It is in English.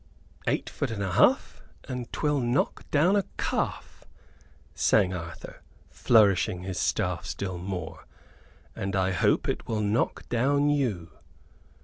"Eight foot and a half, and 'twill knock down a calf," sang Arthur, flourishing his staff still more, "and I hope it will knock down you."